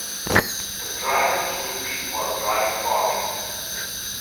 The primary industry was rice farming.